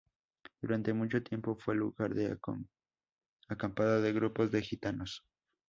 Durante mucho tiempo fue lugar de acampada de grupos de gitanos.